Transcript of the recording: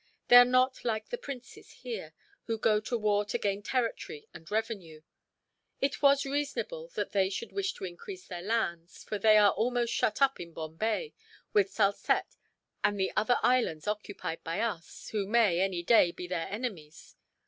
They are not like the princes here, who go to war to gain territory and revenue. It was reasonable that they should wish to increase their lands; for they are almost shut up in Bombay, with Salsette and the other islands occupied by us, who may, any day, be their enemies."